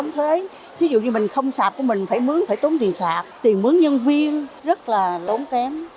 thí dụ như mình không sạp của mình phải mướn phải tốn tiền sạp tiền mướn nhân viên rất là tốn kém